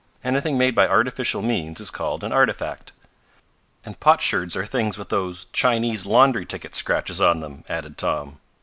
Anything made by artificial means is called an artifact." "And potsherds are things with those Chinese laundry ticket scratches on them," added Tom.